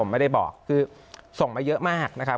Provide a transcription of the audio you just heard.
ไม่ได้บอกคือส่งมาเยอะมากนะครับ